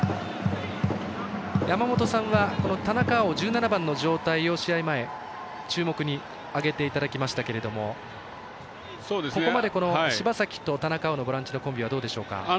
田中碧、１７番の状態を注目に挙げていただきましたけどここまで柴崎と田中碧のボランチのコンビはどうでしょうか？